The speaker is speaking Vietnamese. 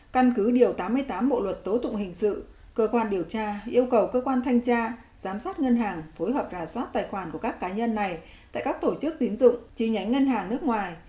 căn cứ điều tám mươi tám bộ luật tố tụng hình sự cơ quan điều tra yêu cầu cơ quan thanh tra giám sát ngân hàng phối hợp rà soát tài khoản của các cá nhân này tại các tổ chức tín dụng chi nhánh ngân hàng nước ngoài